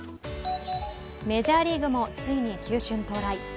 メジャーリーグもついに球春到来。